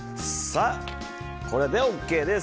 これでＯＫです。